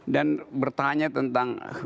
dan bertanya tentang